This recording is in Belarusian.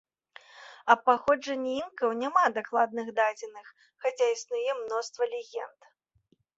Аб паходжанні інкаў няма дакладных дадзеных, хаця існуе мноства легенд.